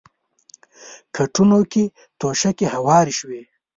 کټونو کې توشکې هوارې شوې.